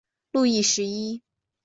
路易十一。